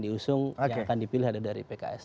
diusung yang akan dipilih ada dari pks